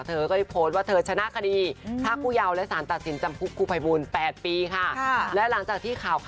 เธอก็ได้โปรดว่าเธอชนะคดีภรรกู้เยาว์และสารตัดสินจำคลุกของครูไภบูล๘ปีและหลังจากที่ข่าวที่พ